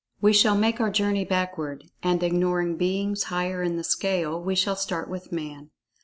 We shall make our journey backward—and ignoring Beings higher in the scale, we shall start with Man.